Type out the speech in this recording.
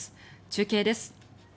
中継です。